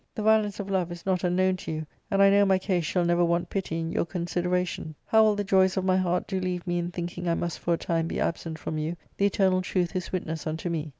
The violence of love is not ARCADIA,— Book III. 3^3 unknown to you ; and I know my case shall never want pity in your consideration. How all the joys of my heart do leave me in thinking I must for a time be absent from you, the eternal truth is witness unto me.